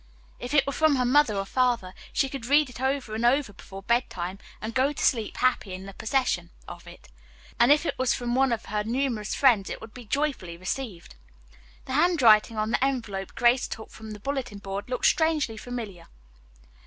If it were from her mother or father she could read it over and over before bedtime and go to sleep happy in the possession of it, and if it were from one of her numerous friends it would be joyfully received. The handwriting on the envelope Grace took from the bulletin board looked strangely familiar.